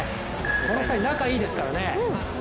この２人、仲いいですからね。